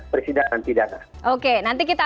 persidangan pidana oke nanti kita